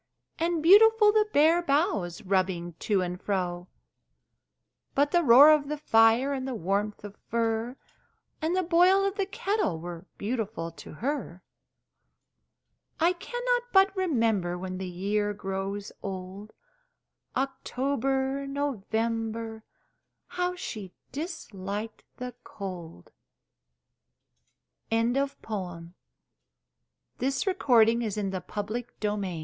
And beautiful the bare boughs Rubbing to and fro! But the roaring of the fire, And the warmth of fur, And the boiling of the kettle Were beautiful to her! I cannot but remember When the year grows old October November How she disliked the cold! Sonnets I THOU art not lovelier than lilacs,